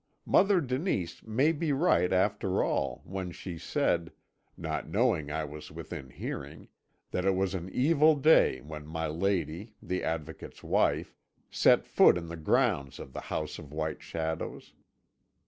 Mother Denise may be right, after all, when she said not knowing I was within hearing that it was an evil day when my lady, the Advocate's wife, set foot in the grounds of the House of White Shadows.